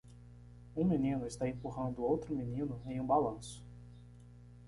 Um menino está empurrando outro menino em um balanço.